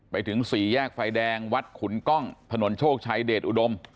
ไปถึงสี่แยกไฟแดงวัดขุนกล้องถนนโชคชัยเดชอุดม